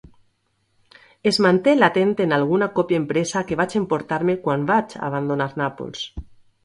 Es manté latent en alguna còpia impresa que vaig emportar-me quan vaig abandonar Nàpols.